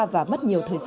và mất nhiều thông tin